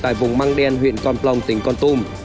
tại vùng măng đen huyện con plong tỉnh con tum